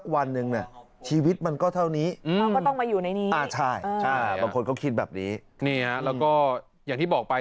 แบบนี้ค่ะแล้วก็อย่างที่บอกไป